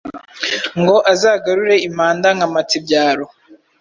Ngo azagarure impanda nka Mpatsibyaro